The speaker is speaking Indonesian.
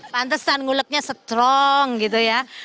pantesan nguleknya strong gitu ya